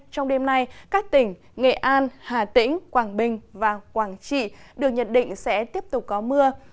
trong đêm nay các tỉnh nghệ an hà tĩnh quảng bình và quảng trị được nhận định sẽ tiếp tục có mưa